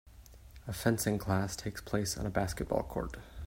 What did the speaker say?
A fencing class takes place on a basketball court.